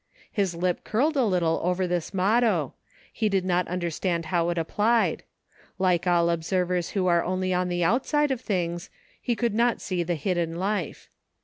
'' His lip curled a little over this motto ; he did not understand how it applied ; like all observers who are only on the outside of things, he could not see the hidden life.